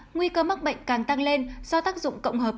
nguy cơ mắc bệnh càng tăng lên do tác dụng cộng hợp